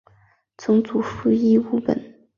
曾祖父尹务本。